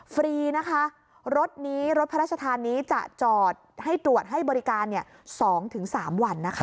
ฟรีนะคะรถนี้รถพระราชทานนี้จะจอดให้ตรวจให้บริการ๒๓วันนะคะ